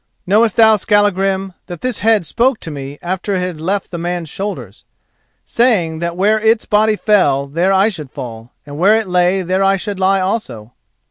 "Knowest thou, Skallagrim, that this head spoke to me after it had left the man's shoulders, saying that where its body fell there I should fall, and where it lay there I should lie also?"